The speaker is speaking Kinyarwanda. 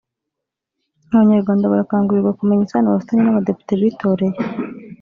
Abanyarwanda barakangurirwa kumenya isano bafitanye n’abadepite bitoreye